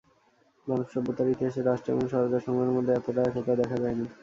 মানব সভ্যতার ইতিহাসে রাষ্ট্র এবং সরকার সমূহের মধ্যে এতোটা একতা দেখা যায়নি।